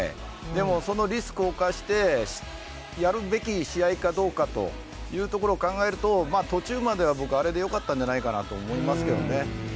でもそのリスクを冒してやるべき試合かどうかということを考えると途中までは僕、あれでよかったんじゃないかなと思いますけどね。